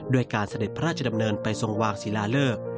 การเสด็จพระราชดำเนินไปทรงวางศิลาเลิก